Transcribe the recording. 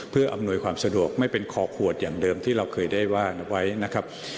เพื่ออำนวยความสะดวกไม่เป็นคอขวดอย่างเดิมที่เราเคยได้ว่าไว้นะครับ